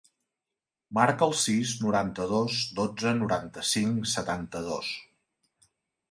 Marca el sis, noranta-dos, dotze, noranta-cinc, setanta-dos.